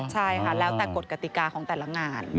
ใช่ค่ะแล้วแต่กฎกติกาของแต่ละงาน